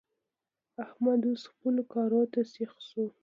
احمد اوس خپلو کارو ته سيخ شو.